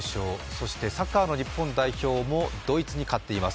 そしてサッカーの日本代表もドイツに勝っています。